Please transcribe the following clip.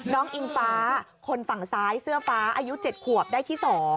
อิงฟ้าคนฝั่งซ้ายเสื้อฟ้าอายุ๗ขวบได้ที่๒